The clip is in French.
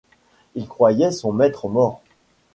Il croyait son maître mort